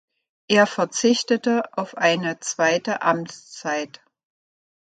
Er verzichtete auf eine zweite Amtszeit.